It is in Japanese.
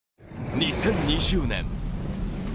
２０２０年